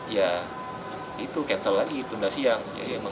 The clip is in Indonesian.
ya itu cancel lagi tunda siang